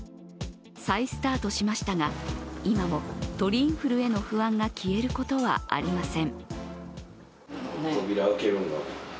再スタートしましたが今も鳥インフルへの不安が消えることはありません。